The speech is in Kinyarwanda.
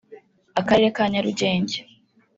akarere ka Nyarugenge